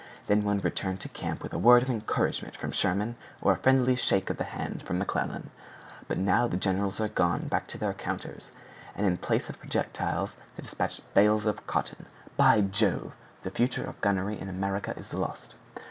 Then one returned to camp with a word of encouragement from Sherman or a friendly shake of the hand from McClellan. But now the generals are gone back to their counters; and in place of projectiles, they despatch bales of cotton. By Jove, the future of gunnery in America is lost!"